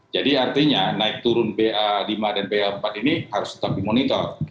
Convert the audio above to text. jadi artinya naik turun ba lima dan ba empat ini harus tetap dimonitor